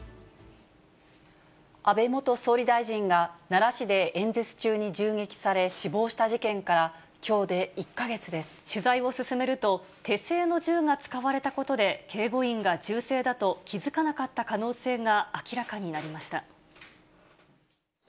安倍元総理大臣が奈良市で演説中に銃撃され死亡した事件から、取材を進めると、手製の銃が使われたことで、警護員が銃声だと気付かなかった可能性が明らかになりました。